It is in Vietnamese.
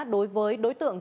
đối với đối tượng